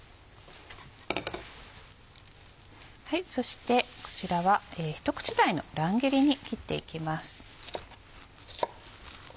そしてこちらは一口大の乱切りに切っていきます。